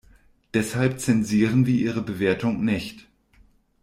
Deshalb zensieren wir ihre Bewertung nicht.